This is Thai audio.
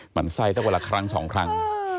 มันไส้ตั้งวันละครั้งสองครั้ง